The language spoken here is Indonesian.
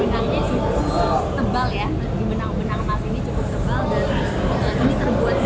ini benangnya cukup tebal ya